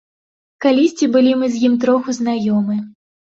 Калісьці былі мы з ім троху знаёмы.